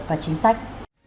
và chính sách